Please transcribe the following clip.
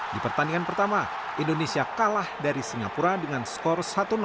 di pertandingan pertama indonesia kalah dari singapura dengan skor satu